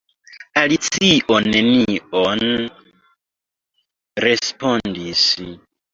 Alicio nenion respondis.